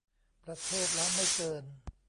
ประเทศละไม่เกิน